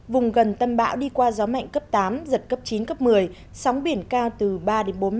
vùng gần tâm bão đi qua gió mạnh cấp tám giật cấp chín cấp một mươi sóng biển cao từ ba đến bốn m